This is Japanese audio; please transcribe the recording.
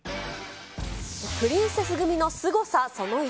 プリンセス組のすごさ、その１。